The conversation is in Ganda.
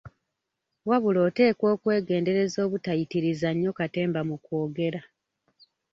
Wabula oteekeddwa okwegendereza obutayitiriza nnyo katemba mu kwogera.